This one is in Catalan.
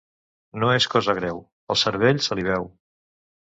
No és cosa greu, el cervell se li veu.